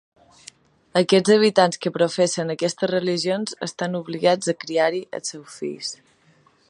Aquells habitants que professen aquestes religions estan obligats a criar-hi els seus fills.